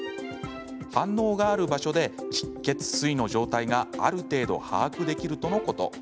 反応がある場所で気・血・水の状態がある程度、把握できるとのこと。